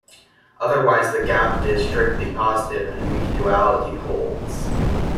Otherwise the gap is strictly positive and weak duality holds.